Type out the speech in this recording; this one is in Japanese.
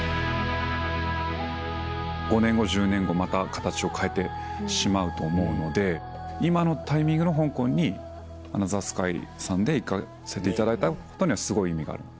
５年後１０年後また形を変えてしまうと思うので今のタイミングの香港に『ＡＮＯＴＨＥＲＳＫＹ』さんで行かせていただいたことにはすごい意味がある。